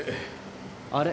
あれ？